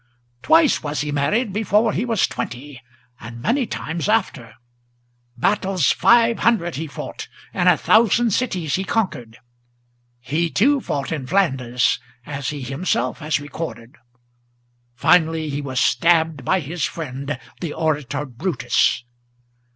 Twice was he married before he was twenty, and many times after; Battles five hundred he fought, and a thousand cities he conquered; He, too, fought in Flanders, as he himself has recorded; Finally he was stabbed by his friend, the orator Brutus!